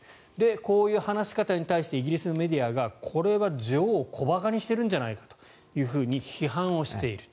こういう話し方に対してイギリスのメディアはこれは女王を小馬鹿にしてるんじゃないかと批判をしている。